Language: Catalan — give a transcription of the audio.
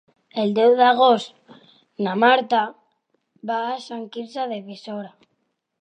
El deu d'agost na Marta va a Sant Quirze de Besora.